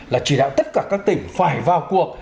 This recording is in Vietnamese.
là chỉ đạo tất cả các tỉnh phải vào cuộc